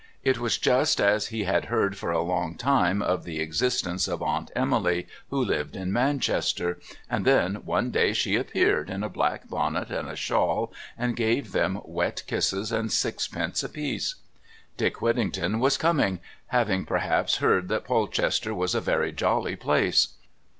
It was just as he had heard for a long time of the existence of Aunt Emily who lived in Manchester and then one day she appeared in a black bonnet and a shawl, and gave them wet kisses and sixpence apiece. Dick Whittington was coming, having perhaps heard that Polchester was a very jolly place.